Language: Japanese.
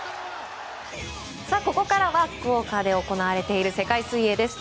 ここからは福岡で行われている世界水泳です。